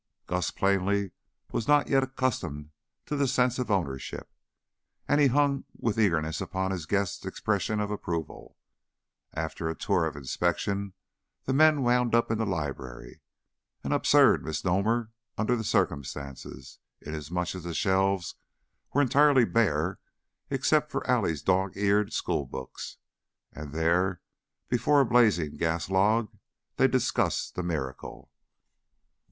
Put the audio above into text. Gus, plainly, was not yet accustomed to the sense of ownership, and he hung with eagerness upon his guest's expressions of approval. After a tour of inspection the men wound up in the library an absurd misnomer under the circumstances, inasmuch as the shelves were entirely bare except for Allie's dog eared school books and there, before a blazing gas log, they discussed the miracle.